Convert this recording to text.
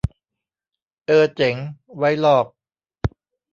เออเจ๋ง ไว้ลอก